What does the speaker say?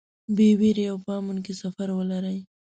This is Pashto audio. بې وېرې او په امن کې سفر ولرئ.